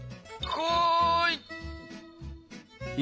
こい！